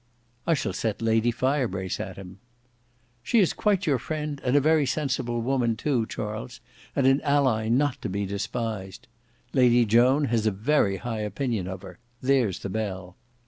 "I shall set Lady Firebrace at him." "She is quite your friend, and a very sensible woman too, Charles, and an ally not to be despised. Lady Joan has a very high opinion of her. There's the bell.